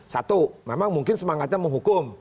satu memang mungkin semangatnya menghukum